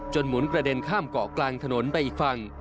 หมุนกระเด็นข้ามเกาะกลางถนนไปอีกฝั่ง